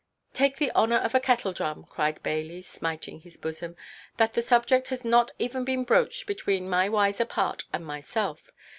"Take the honour of a Kettledrum," cried Bailey, smiting his bosom, "that the subject has not even been broached between my wiser part and myself.